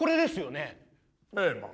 ええまあ。